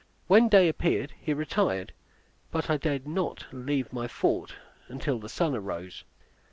When day appeared he retired, but I dared not leave my fort until the sun arose.